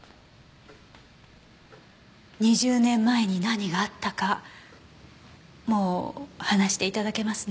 ２０年前に何があったかもう話して頂けますね。